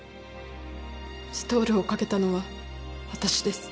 ストールをかけたのは私です。